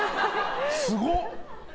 すごっ。